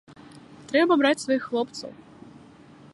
Трэба браць сваіх хлопцаў.